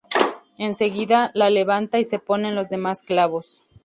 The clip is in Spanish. En seguida, la levanta y se ponen los demás clavos.